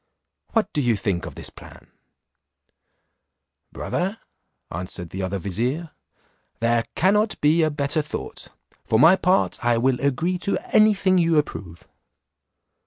What do you think of this plan?" "Brother," answered the other vizier, "there cannot be a better thought; for my part, I will agree to any thing you approve."